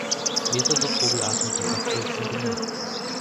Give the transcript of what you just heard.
Mehrere Vogelarten sind nach Olson benannt.